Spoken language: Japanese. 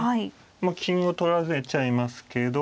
まあ金を取られちゃいますけど。